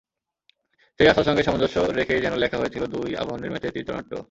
সেই আশার সঙ্গে সামঞ্জস্য রেখেই যেন লেখা হয়েছিল দুই আবাহনীর ম্যাচের চিত্রনাট্য।